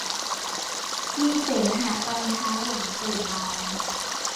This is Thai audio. มีเสมหะตอนเช้าหลังตื่นนอน